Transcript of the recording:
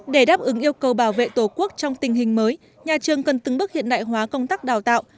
để đáp ứng yêu cầu bảo vệ tổ quốc trong tình hình mới nhà trường cần từng bước hiện đại hóa công tác đào tạo